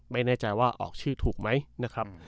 ไม่แน่ใจว่าออกชื่อถูกไหมนะครับ